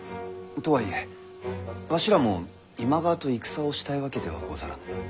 とはいえわしらも今川と戦をしたいわけではござらぬ。